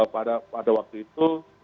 pada waktu itu